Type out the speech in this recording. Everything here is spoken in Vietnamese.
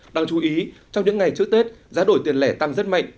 đáng chú ý trong những ngày trước tết giá đổi tiền lẻ tăng rất mạnh